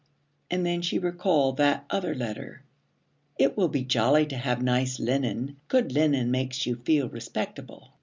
And then she recalled that other letter. 'It will be jolly to have nice linen. Good linen makes you feel respectable.'